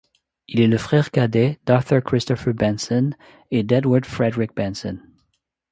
Il est le frère cadet d'Arthur Christopher Benson et d'Edward Frederic Benson.